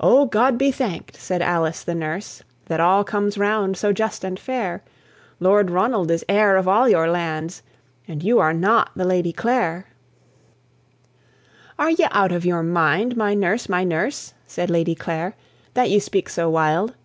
"O God be thank'd!" said Alice the nurse, "That all comes round so just and fair: Lord Ronald is heir of all your lands, And you are not the Lady Clare." "Are ye out of your mind, my nurse, my nurse," Said Lady Clare, "that ye speak so wild?"